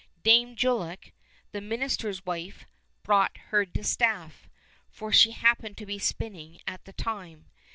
Dame Jullock, the minister's wife, brought her distaff, for she happened to be spinning at the time.